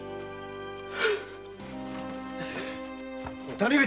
谷口